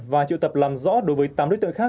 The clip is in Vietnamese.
và triệu tập làm rõ đối với tám đối tượng khác